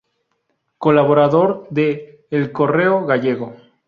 Colaborador de "El Correo Gallego".